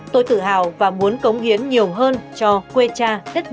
tôi tự hào và muốn cống hiến nhiều hơn cho quê cha đất mẹ